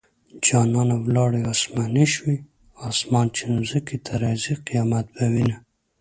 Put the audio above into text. جانانه ولاړې اسماني شوې - اسمان چې ځمکې ته راځي؛ قيامت به وينه